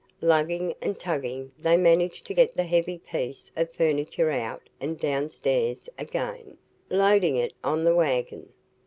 Lugging and tugging they managed to get the heavy piece of furniture out and downstairs again, loading it on the wagon.